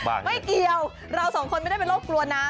ไม่เกี่ยวเรา๒คนไม่ได้เป็นโรคกลัวน้ำ